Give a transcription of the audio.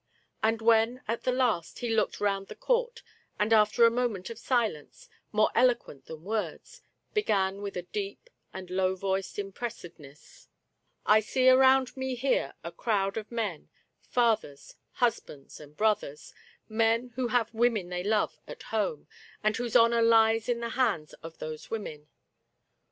And when, at the last, he looked round the court, and, after a moment of silence, more eloquent than words, began with a deep and low voiced impressiveness ;" I see Digitized by Google loo THE PATE OF EEMELLA. around me here a crowd of men — fathers, hus bands, and brothers — men who have women they love at home, and whose honor lies in the hands of those women.